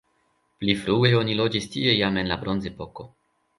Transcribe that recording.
Pli frue oni loĝis tie jam en la bronzepoko.